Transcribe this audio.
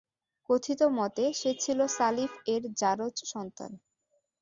কথিত মতে, সে ছিল সালিফ-এর যারজ সন্তান।